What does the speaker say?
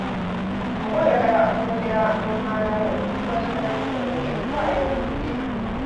Bw’oba oyagala okwogera n’omwana wo ku bikwatagana n’omwenge waayo obudde.